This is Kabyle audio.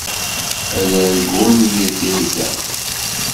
Ad argun yir tirga.